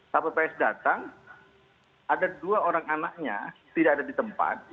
sapi ps datang ada dua orang anaknya tidak ada di tempat